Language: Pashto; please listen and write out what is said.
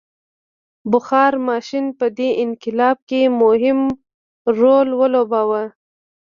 بخار ماشین په دې انقلاب کې مهم رول ولوباوه.